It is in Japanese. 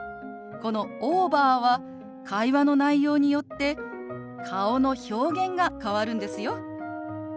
この「オーバー」は会話の内容によって顔の表現が変わるんですよ。